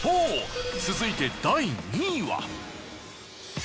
続いて第２位は。